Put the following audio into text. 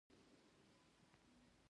تاریخ د خپل ولس د زړه خبره کوي.